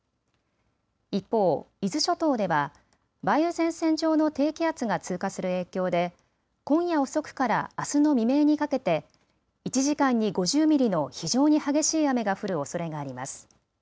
一方、伊豆諸島では梅雨前線上の低気圧が通過する影響で今夜遅くからあすの未明にかけて１時間に５０ミリの非常に激しい雨が降るおそれがあります。